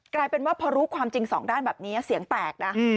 กลายเป็นว่าพอรู้ความจริงสองด้านแบบนี้เสียงแตกนะ